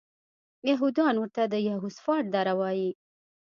یهودان ورته د یهوسفات دره وایي.